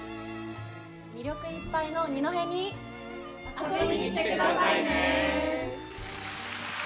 魅力いっぱいの二戸に遊びに来てくださいね！